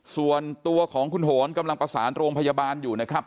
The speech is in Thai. ส่วนตัวของคุณโหนกำลังประสานโรงพยาบาลอยู่นะครับ